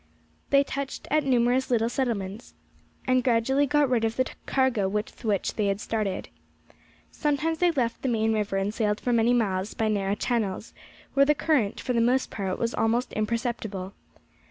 They touched at numerous little settlements, and gradually got rid of the cargo with which they had started. Sometimes they left the main river and sailed for many miles by narrow channels, where the current, for the most part, was almost imperceptible.